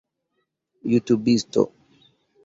jutubisto